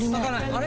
あれ？